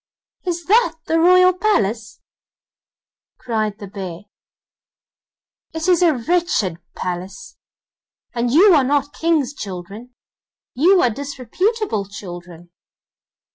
'Is that the royal palace?' cried the bear; 'it is a wretched palace, and you are not King's children, you are disreputable children!